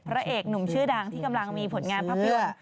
พระเอกหนุ่มชื่อดังที่กำลังมีผลงานภาพยนตร์